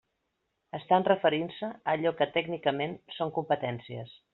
Estan referint-se a allò que tècnicament són competències.